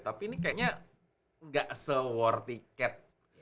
tapi ini kayaknya gak se war tiket